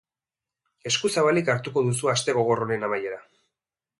Esku zabalik hartuko duzu aste gogor honen amaiera.